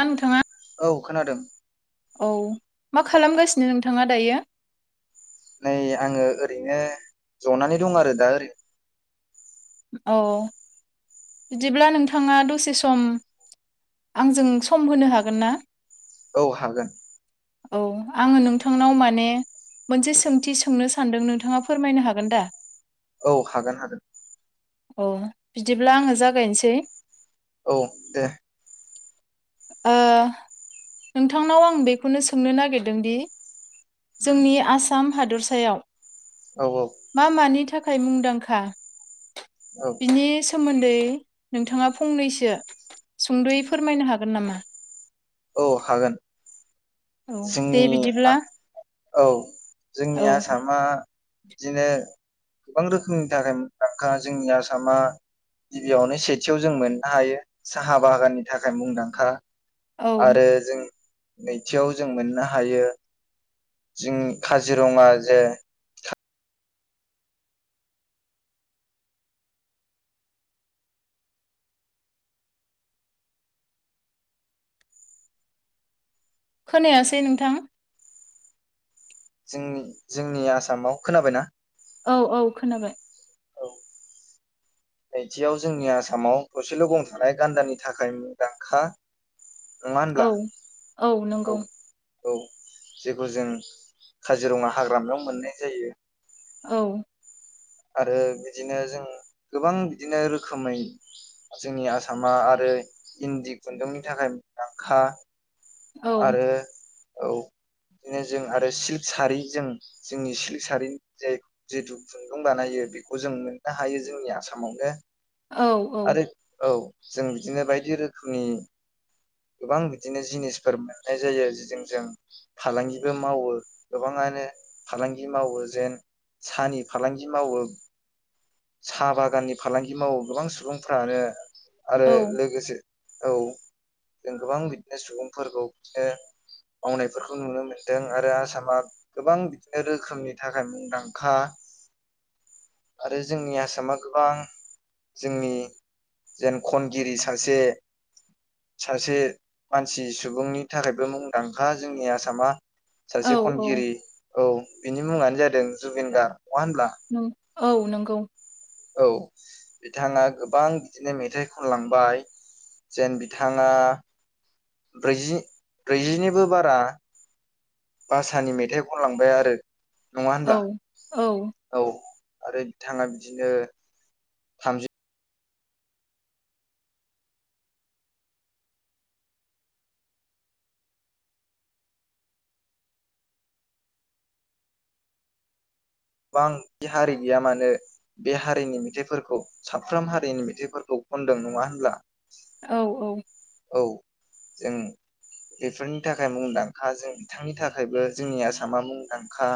दा नोंथांङा औ खोनादों। औ मा खालामगासिनो नोंथाङा दायो? नै आङो ओरैनो जनानै दं आरो दा ओरैनो। औ बिदिब्ला नोंथाङा दसे सम आंजों सम होनो हागोन ना? औ हागोन औ आङो नोंथांनाव माने मोनसे सोंथि सोंनो सानदों नोंथाङा फोरमायनो हागोन दा? औ हागोन हागोन। औ बिदिब्ला आङो [unintelligible] जागायनोसै औ दे ओ नोंथांनाव आं बेखौनो सोंनो नागिरदों दि उम, जोंनि आसाम हादरसायाव औ औ मा मानि था थाखाय मुंदांखा? औ बिनि स सोमोन्दै नोंथाङा फंनैसो सुंदयै फोरमायनो हागोन नामा? अ हागोन औ दे जोंनि आ बिदिब्ला औ जोंनि औ आसामा बिदिनो गोबां रोखोमनि थाखाय मुंदांखा जोंनि आसामा गिबियावनो सेथियाव जों मोन्नो हायो साहा बागाननि थाखाय मुंदांखा। औ आरो जों नैथियाव जों मोननो हायो, जोंनि काजिरङा जे खोनायासै नंथां। जोंनि जोंनि आसामाव खोनाबायना? ओव औ खोनाबाय। ओव। नैथियाव जोंनि आसामाव थसेल गंथ थानाय गान्दानि थाखाय मुंदांखा। औ नङाहोनब्ला? औ नंगौ। ओव जेखौ जों काजिरङा हाग्रामायाव मोननाय जायो। ओव। आरो बिदिनो जों गोबां बिदिनो रोखोमै जोंनि आसामा आरो इन्दि खुन्दुंनि थाखाय मुंदांखा। औ आरो ओव बिदिनो जों आरो सिल्क सारि जों जोंनि सिल्क सारिनि जाय जिथु खुन्दुं बानायो बेखौ जों मोननो हायो जोंनि आसामावनो। औ आरो ओव। जों बिदिनो बायदि रोखोमनि। गोबां बिदिनो जिनिसफोर मोननाय जायो जोंजों, फालांगिबो मावो, गोबाङानो फालांगि मावो जेन साहानि फालांगि मावो साहा बागाननि फालांगि मावो गोबां सुबुंफ्रानो। औ आरो लोगोसे औ जों गोबां बिदिनो सुबुंफोरखौ बिदिनो मावनायफोरखौ नुनो मोनदों, आरो आसामा गोबां बिदिनो रोखोमनि थाखाय मुंदांखा। आरो जोंनि आसामा गोबां जोंनि जेन खनगिरि सासे सासे मानसि सुबुंनि थाखायबो मुंदांखा, जोंनि आसामा औ सासे औ खनगिरि औ बिनि मुङानो जादों जुबिन गार्ड। नङा होनब्ला? नों औ नोंगौ। औ बिथाङा गोबां बिदिनो मेथाइ खनलांबाय जेन बिथाङा ब्रैजि ब्रैजिनिबो बारा। भाषानि मेथाइ खनलांबाय आरो। नङा औ होनब्ला औ औ। आरो बिथाङा बिदिनो थामजि गोबां हारि गैया मानो बे हारिनि मेथाइफोरखौ साफ्रोम हारिनि मेथाइफोरखौ खनदों, नङा होनब्ला? औ औ। औ जों बेफोरनि थाखाय मुंदांखा जों बिथांनि थाखायबो जोंनि आसामा मुंदांखा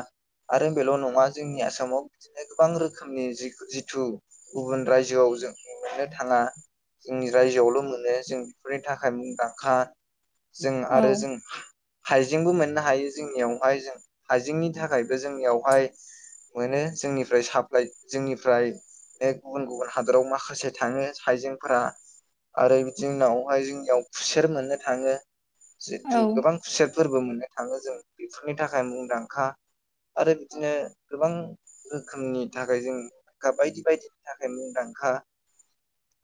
आरो बेल' नङा जोंनि आसामाव बिदिनो गोबां रोखोमनि जिथु गुबुन रायजोआव जों। मोननो थाङा जोंनि रायजोआवल' मोनो जों। बेफोरनि थाखाय मुंदांखा। जों औ आरो जों खाइ हाइजेंबो मोननो हायो जोंनियावहाय जों हाइजेंनि थाखायबो जोंनियावहाय मोनो, जोंनिफ्राय साप्लाइ जोंनिफ्राय गुबुन गुबुन हादराव माखासे थाङो हाइजेंफोरा, आरो बिदिनो जोंनाव। ओमफाय जोंनियाव खुसेर मोननो थाङो। औ जेथु गोबां खुसेर फोरबो मोननो थाङो जों बेफोरनि थाखाय मुंदांखा आरो बिदिनो गोबां रोखोमनि थाखाय जों गा बायदि बायदिनि थाखाय मुंदांखा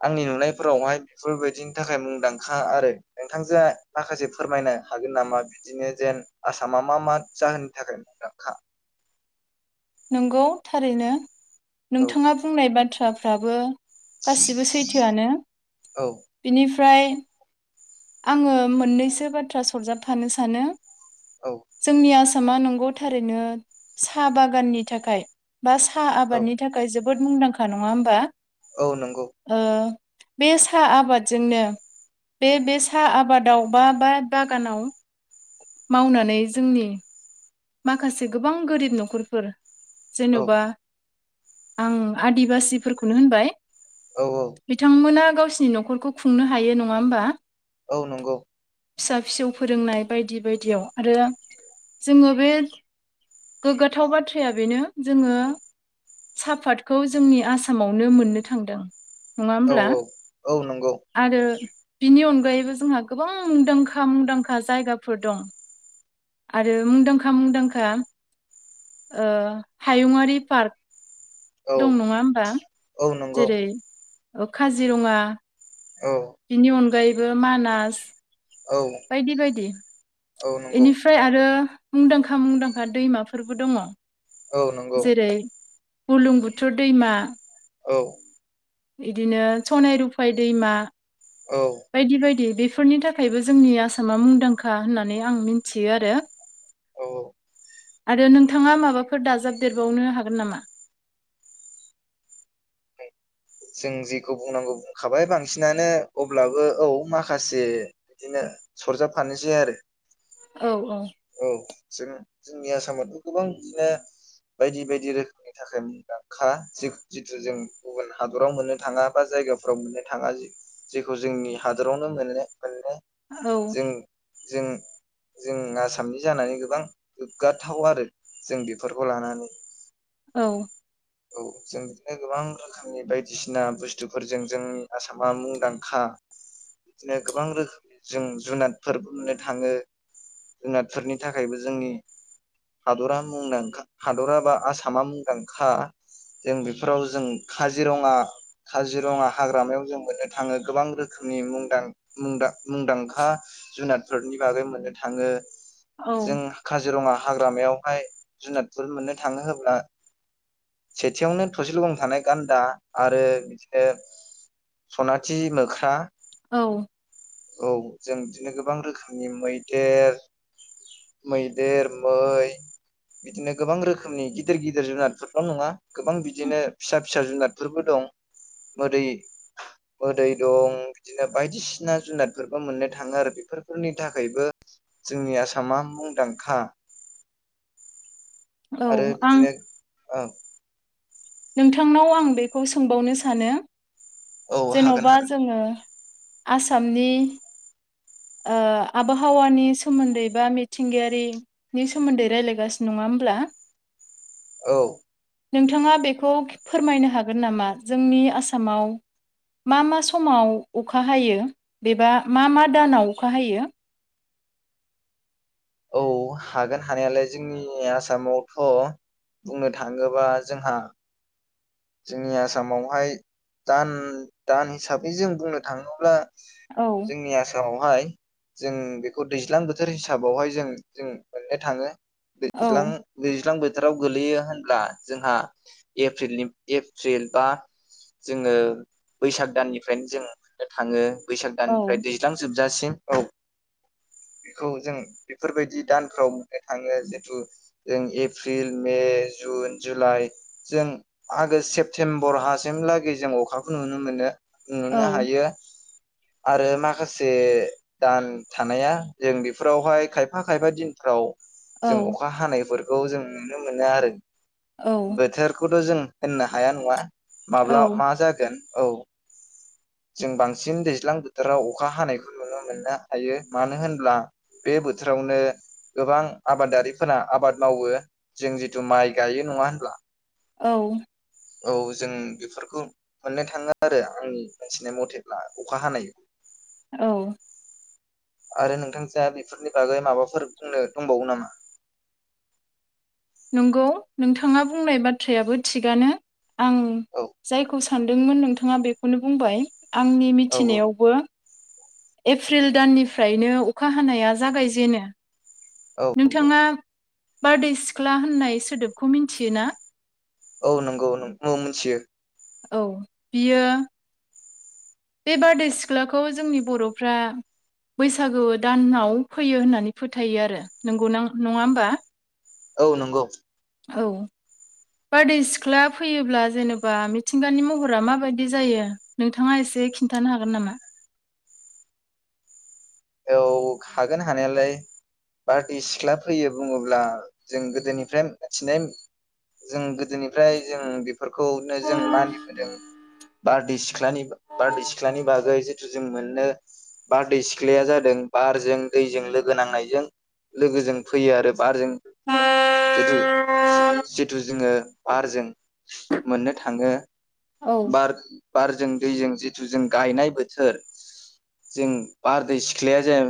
आंनि नुनायफोरावहाय बेफोरबायदिनि थाखाय मुंदखा मुंदांखा आरो नोंथांजोआ माखासे फोरमायनो हागोन नामा बिदिनो जेन आसामा मा मा जाहोननि थाखाय मुंदांखा नंगौ थारैनो औ नोंथाङा बुंनाय बाथ्रा दाबो गासिबो सैथोआनो औ बिनि फ्राय आङो मोननैसो बाथ्रा सरजाबफानो सानो औ जोंनि आसाम आसामा नंगौ थारैनो साहा बागाननि थाखाय बा साहा औ आबादनि थाखाय जोब जोबोद मुंदांखा नङा होमबा? औ नंगौ। ओ बे साहा आबादजोंनो बे बे सा आबादाव बा बा बागानाव मावनानै जोंनि माखासे गोबां गोरिब न'खरफोर औ जेनेवबा आं आदिबासिफोरखौनो होनबाय औ औ बिथांमोना गावसिनि न'खरखौ खुंनो हायो नङा होमबा? औ नंगौ फिसा फिसौ फोरोंनाय बायदि बायदियाव आरो जोङो बे गोग्गाथाव बाथ्राया बेनो जोङो सापादखौ जोंनि आसामावनो मोननो थांदों । नङा औ होमब्ला औ औ नंगौ आरो बिनि अनगायैबो जोंहा गोबां मुंदांखा मुंदांखा जायगाफोर दं । आरो मुंदांखा मुंदांखा ओ हायुङरारि पार्क औ दं नङा होमबा? औ नंगौ जेरै ओ काजिरङा औ बिनि अनगायै बो मानास औ बायदि बायदि औ नंगौ इनिफ्राय आरो मुंदांखा मुंदांखा दैमाफोरबो दङ । औ नंगौ । बुरलुंबुथुर दैमा औ । इदिनो सनाय रुफाय दैमा औ बायदि बायदि बे फोरनि थाखायबो जोंनि आसामा मुंदांखा होननानै आं मिथियो आरो । औ। आरो नोंथाङा माबाफोर दाजाबदेरबावनो हागोन नामा? जों जेखौ बुंनांगौ बुंखाबाय बांसिनानो अब्लाबो औ माखासे बिदिनो सरजाबफानोसै आरो । औ औ । औ जों जोंनि आसामथ' गोबां बिदिनो बायदि बायदि रोखोमनि थाखाय मुंदांखा जिथु जों गुबुन हादराव मोननो थाङा बा जायगाफोराव मोननो थाङा जेखौ जोंनि हादरावनो मोननो मोननै औ जों जों जों आ सामनि जानानै गोबां गोग्गाथाव आरो जों बेफोरखौ लानानै औ । औ जों बिदिनो गोबां रोखोमनि बायदिसिना बुस्थुफोरजों जोंनि आसामा मुंदांखा बिदिनो गोबां रोखोमनि जों जुनादफोरबो मोननो थाङो जुनादफोरनि थाखायबो जोंनि हादरा मुंदांखा हादरा बा आसामा मुंदांखा । जों बेफोराव जों काजिरङा काजिरङा हाग्रामायाव जों मोननो थाङो गोबां रोखोमनि मुंदां मुंदा मुंदांखा जुनादफोरनि बागै मोननो थाङो । औ जों काजिरङा हाग्रामायावहाय जुनादफोर मोननो थाङो होब्ला सेथियावनो थसेल' गं थानाय गान्दा आरो बिथिनो सनाथि मोख्रा । औ । औ जों बिदिनो गोबां रोखोमनि मैदेर मैदेर मै बिदिनो गोबां रोखोमनि गिदिर गिदिर जुनारफोर बां नङा गोबां बिदिनो फिसा फिसा जुनादफोरबो दं मोदै मोदै दं बिदिनो बायदिसिना जुनादफोरबो मोननो थाङो आरो बेफोरफोरनि थाखायबो जोंनि आसामा मुंदांखा । आरो औ आं बिदिनो औ । नोंथांनाव आं बेखौ सोंबावनो सानो औ हागोन जेन'बा हागोन जोङो आसामनि ओ आबहावानि सोमोन्दै बा मिथिंगायारिनि सोमोन्दै रायज्लायगासिनो नङा होमब्ला? औ । नोंथाङा बे खौ फोरमायनो हागोन नामा जोंनि आसामाव मा मा समाव अखा हायो बेबा मा मा दानाव अखा हायो? औ हागोन हानायालाय जोंनि आसामावथ' बुंनो थाङोबा जोंहा जोंनि आसामावहाय दान दान हिसाबै जों बुंनो थाङोब्ला औ जोंनि आसामावहाय जों बेखौ दैज्लां बोथोर हिसाबावहाय जों जों मोननो थाङो । दैज्लां औ दैज्लां बो थोराव गोगलैयो होनब्ला जोंहा एप्रिलनि एप्रिल बा जोङो बैसाग दाननिफ्रायनो जों मोननो थाङो । बैसाग औ दाननिफ्राय दैज्लां जोब जासिम औ बेखौ जों बेफोरबायदि दानफ्राव मोननो थाङो जेतु जों एप्रिल मे जुन जुलाइ जों आगष्ट सेप्तेम्बरहासिमलागै जों अखाखौ नुनो मोनो । औ नुनो हायो । आरो माखासे दान थानाया जों बेफोरावहाय खायफा खायफा दिनफ्राव औ जों अखा हानायफोर औ जों नुनो मोनो आरो औ बोथोरखौथ' जों होननो हाया नङा माब्ला औ मा जागोन औ जों बांसिन दैल्जां बोथोराव अखा हानायखौ नुनो मोननो हायो मानो होनब्ला बे बोथोरावनो गोबां आबादारिफोरा आबाद मावो जों जिथु माइ गायो नङा होनब्ला औ औ जों बेफोरखौ मोननो थाङो आरो आंनि मोनथिनाय मथेब्ला अखा हानाय औ आरो नोंथांजोया बेफोरनि बागै माबाफोर बुंनो दंबावो नामा नंगौ नोंथाङा बुंनाय बाथ्रायाबो थिगानो आं औ जायखौ सो सानदोंमोन नोंथाङा बेखौनो बुंबाय आंनि औ मिथिनायावबो एफ्रिल दाननिफ्रायनो अखा हानाया जागायजेनो औ नंगौ नोंथाङा बारदै सिख्ला होननाय सोदोबखौ मिन्थियो ना औ नंगौ औ मोनथियो औ बियो बे बारदै सिख्लाखौ जोंनि बर'फ्रा बैसागु दानाव फैयो होननानै फोथायो आरो नंगौना नङा होमबा औ नंगौ औ बारदै सिख्ला फैयोब्ला जेनेबा मिथिंगानि महरा माबायदि जायो नोंथाङा एसे खिन्थानो हागोन नामा औ हागोन हानायालाय बारदै सिख्ला फैयो बुङोब्ला जों गोदोनिफ्रा मिथिनो जों गोदोनिफ्राय जों फोरखौनो जों मानिबोदों बारदै सिख्लानि बारदै सिख्लानि बागै जिथु जों मोननो बारदै सि ख्लाया जादों बारजों दैजों लोगो नांनायजों लोगोजों फैयो आरो बारजों जिथु जि जिथु जोङो बारजों। मोननो थाङो औ बार बारजों दैजों जिथु जों गायनाय बोथोर जों बारदै सिख्लाया जों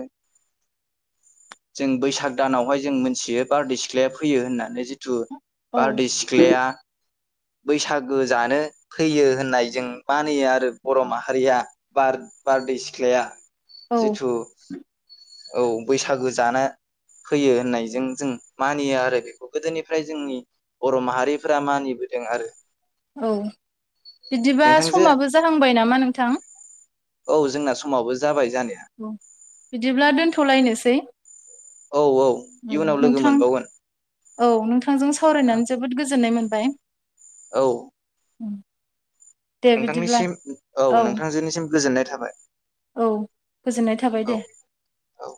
जों बैसाग दानावहाय जों मोनथियो बारदै सिख्लाया फैयो होननानै जिथु औ बारदै सिख्लाया बैसागो जानो फैयो होननाय जों मानियो आरो बर' माहारिया बार बारदै सिख्लाया औ जिथु औ बैसागो जानो फैयो होननायजों जों मानियो आरो बेखौ गोदोनिफ्राय जोंनि बर' माहारिफोरा मानिबोदों आरो औ बिदिबा नोंथांजो समाबो जाहांबाय नामा नोंथां? औ जोंना समावबो जाबाय। जानाया औ बिदिब्ला दोनथ'लायनो सै। औ औ इयुनाव लोगो नोंथां मोनबावगोन औ नोंथांजों सावरायनानै जोबोद गोजोननाय मोन बाय। औ। उम। नोंथांनिसिम औ नोंथांजोनिसिम गोजोन्नाय थाबाय। औ गोजोननाय थाबाय औ दे। औ